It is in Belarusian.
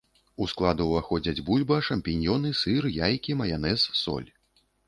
У склад уваходзяць бульба, шампіньёны, сыр, яйкі, маянэз, соль.